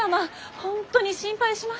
本当に心配しましたよ。